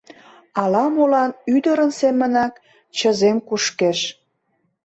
Ала-молан ӱдырын семынак чызем кушкеш.